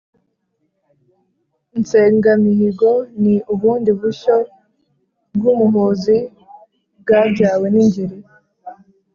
insengamihigo: ni ubundi bushyo bw’umuhozi bwabyawe n’ingeri